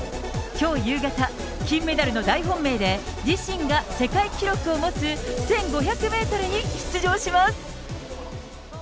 きょう夕方、金メダルの大本命で、自身が世界記録を持つ１５００メートルに出場します。